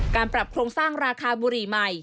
การปรับโครงสร้างราคาบุหรี่ใหม่